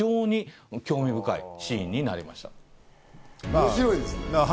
面白いですね。